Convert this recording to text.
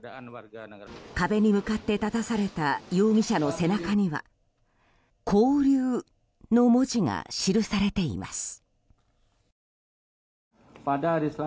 壁に向かって立たされた容疑者の背中には勾留の文字が記されています。